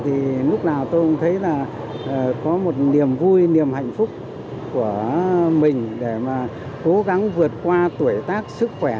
thì lúc nào tôi cũng thấy là có một niềm vui niềm hạnh phúc của mình để mà cố gắng vượt qua tuổi tác sức khỏe